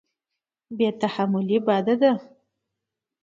بې تحملي بد دی.